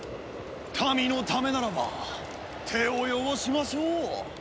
民のためならば手を汚しましょう。